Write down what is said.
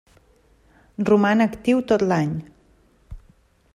Roman actiu tot l'any.